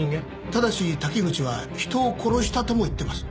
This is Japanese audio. ただし滝口は人を殺したとも言っています。